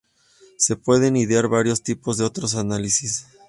Se pueden idear varios tipos de otros análisis.